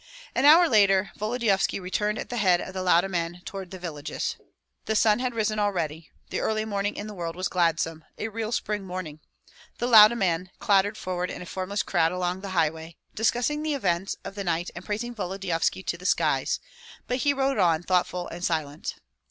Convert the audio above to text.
An hour later Volodyovski returned at the head of the Lauda men toward the villages. The sun had risen already; the early morning in the world was gladsome, a real spring morning. The Lauda men clattered forward in a formless crowd along the highway, discussing the events of the night and praising Volodyovski to the skies; but he rode on thoughtful and silent.